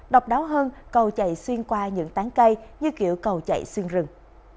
độc đáo hơn cầu chạy xuyên qua những tán cây như kiểu cầu chạy xuyên rừng